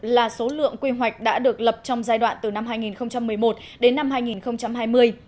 một mươi hai tám trăm sáu mươi là số lượng quy hoạch đã được lập trong giai đoạn từ năm hai nghìn một mươi một đến năm hai nghìn hai mươi